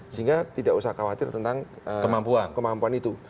sehingga tidak usah khawatir tentang kemampuan itu